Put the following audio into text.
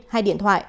hai điện thoại